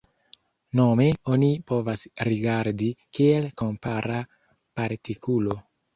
Nome oni povas rigardi kiel kompara partikulo.”